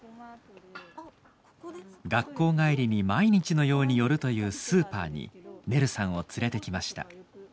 学校帰りに毎日のように寄るというスーパーにねるさんを連れてきました。